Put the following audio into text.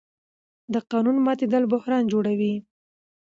د قانون ماتېدل بحران جوړوي